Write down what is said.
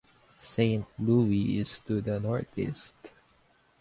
Saint Louis is to the northeast.